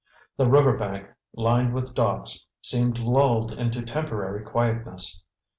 The river bank, lined with docks, seemed lulled into temporary quietness.